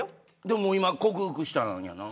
でも今、克服したんやな。